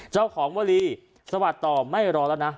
เจ้าของวลีสะบัดต่อไม่รอแล้วนะ